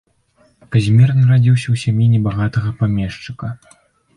Казімір нарадзіўся ў сям'і небагатага памешчыка.